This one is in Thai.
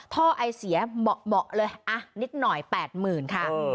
ท่อไอเสียเหมาะเลยนิดหน่อย๘๐๐๐ค่ะ